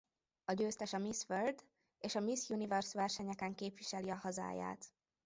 A győztes a Miss World és a Miss Universe versenyeken képviseli a hazáját.